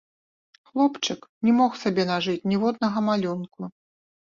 Хлопчык не мог сабе нажыць ніводнага малюнку.